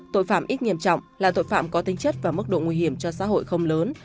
tội phạm ít nghiêm trọng là tội phạm có tính chất và mức độ nguy hiểm cho xã hội không lớn